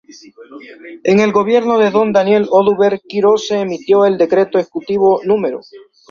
En el gobierno de don Daniel Oduber Quirós se emitió el decreto ejecutivo No.